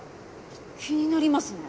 気になりますね。